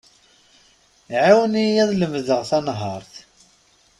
Ɛiwen-iyi ad lemdeɣ tanehart.